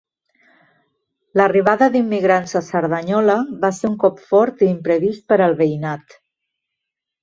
L'arribada d'immigrants a Cerdanyola va ser un cop fort i imprevist per al veïnat.